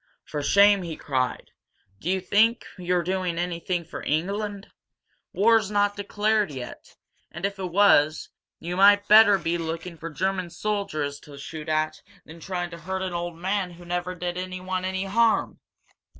"For shame!" he cried. "Do you think you're doing anything for England? War's not declared yet and, if it was, you might better be looking for German soldiers to shoot at than trying to hurt an old man who never did anyone any harm!"